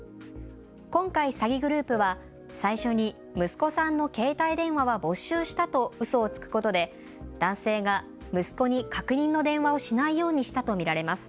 今回、詐欺グループは最初に息子さんの携帯電話は没収したとうそをつくことで男性が息子に確認の電話をしないようにしたと見られます。